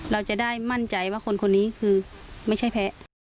เราจะได้มั่นใจว่าคนคนนี้คือไม่ใช่แพ้